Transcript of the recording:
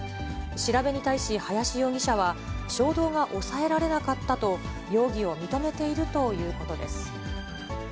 調べに対し、林容疑者は、衝動が抑えられなかったと、容疑を認めているということです。